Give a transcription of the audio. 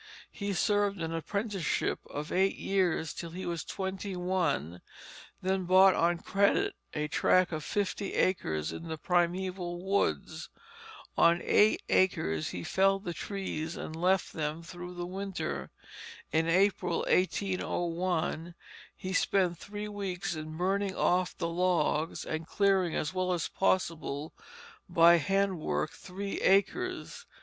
He served an apprenticeship of eight years till he was twenty one, then bought on credit a tract of fifty acres in the primeval woods. On eight acres he felled the trees and left them through the winter. In April, 1801, he spent three weeks in burning off the logs and clearing as well as possible by handwork three acres.